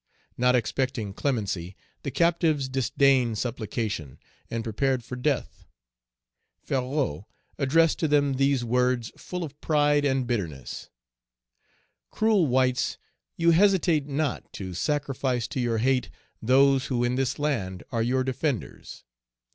Not expecting clemency, the captives disdained supplication and prepared for death. Ferrou addressed to them these words full of pride and bitterness: "Cruel whites, you hesitate not to sacrifice to your hate those who in this land are your defenders.